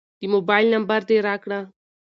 د موبایل نمبر دې راکړه.